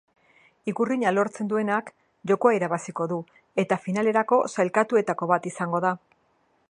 Ikurrina lortzen duenak jokoa irabaziko du eta finalerako sailkatuetako bat izango da.